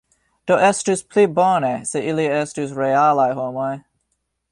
Do estus pli bone se ili estus realaj homoj.